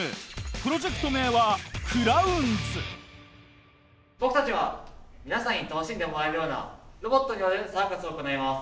プロジェクト名は僕たちは皆さんに楽しんでもらえるようなロボットによるサーカスを行います。